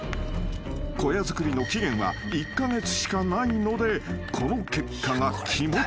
［小屋造りの期限は１カ月しかないのでこの結果が肝となる］